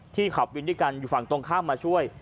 ขับวินด้วยกันอยู่ฝั่งตรงข้ามมาช่วย